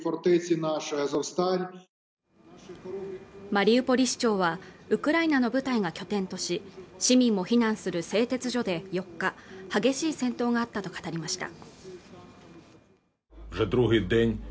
マリウポリ市長はウクライナの部隊が拠点とし市民も避難する製鉄所で４日激しい戦闘があったと語りました